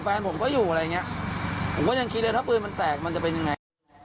แฟนผมก็อยู่อะไรอย่างเงี้ยผมก็ยังคิดเลยถ้าปืนมันแตกมันจะเป็นยังไง